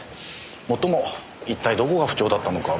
もっとも一体どこが不調だったのか